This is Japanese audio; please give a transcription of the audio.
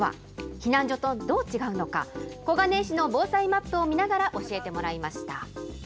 避難所とどう違うのか、小金井市の防災マップを見ながら教えてもらいました。